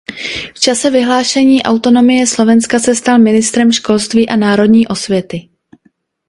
V čase vyhlášení autonomie Slovenska se stal ministrem školství a národní osvěty.